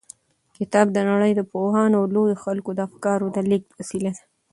کتاب د نړۍ د پوهانو او لويو خلکو د افکارو د لېږد وسیله ده.